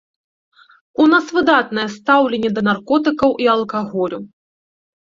У нас выдатнае стаўленне да наркотыкаў і алкаголю.